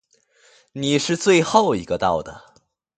你是最后一个到的。